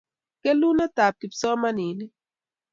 kelunet ap kipsomaninik